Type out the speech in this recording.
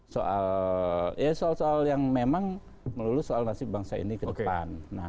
soal soal yang memang melulu soal nasib bangsa ini ke depan